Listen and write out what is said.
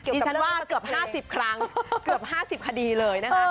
ดิฉันว่าเกือบห้าสิบครั้งเกือบห้าสิบคดีเลยนะคะ